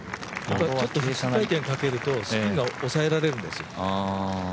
逆回転かけるとスピンが抑えられるんですよ。